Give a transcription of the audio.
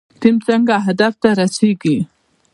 ټیم څنګه هدف ته رسیږي؟